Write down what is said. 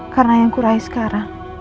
karena yang kurahi sekarang